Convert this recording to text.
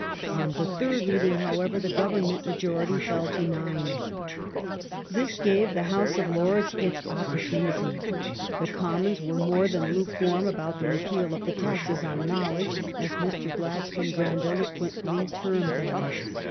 On the third reading, however, the Government majority fell to nine. This gave the House of Lords its opportunity. The Commons The Lords were more than lukewarm about the repeal of the ''taxes on know ^nce^"' ledge," as Mr. Gladstone grandiloquently termed them.